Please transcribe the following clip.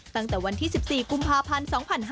ตั้งแต่วันที่๑๔กุมภาพันธ์๒๕๕๙